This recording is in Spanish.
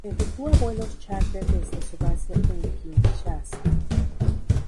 Efectúa vuelos chárter desde su base en Kinshasa.